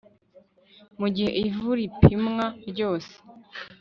Mu gihe ivu ripimwa ryose